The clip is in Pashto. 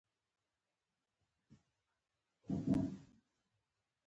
قومونه د افغانستان د سیلګرۍ برخه ده.